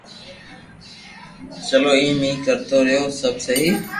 چلو ايم اي ڪرتو رھيو سب سھي